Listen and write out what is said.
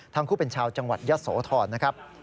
ทั้งคู่เป็นชาวจังหวัดยะโสธรนะครับ